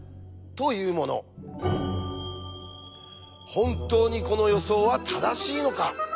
本当にこの予想は正しいのか？